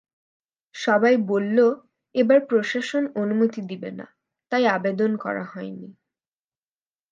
সবাই বলল, এবার প্রশাসন অনুমতি দিবে না, তাই আবেদন করা হয়নি।